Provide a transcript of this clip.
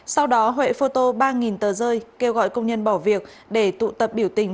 sau đó huệ phô tô ba tờ rơi kêu gọi công nhân bỏ việc để tụ tập biểu tình